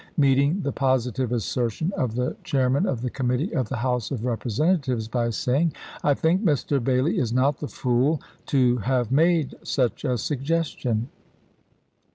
meeting the positive assertion of the chairman of the committee of the House of Representatives by saying, " I think Mr. Bailey is not the fool to have made such a suggestion."